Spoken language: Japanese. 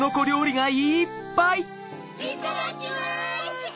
いただきます！